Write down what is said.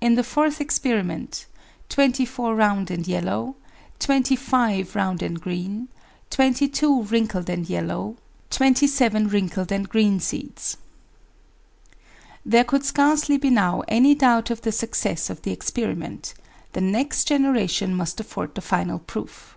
In the 4th Experiment, 24 round and yellow, 25 round and green, 22 wrinkled and yellow, 26 wrinkled and green seeds. There could scarcely be now any doubt of the success of the experiment; the next generation must afford the final proof.